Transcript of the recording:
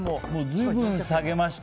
随分下げました。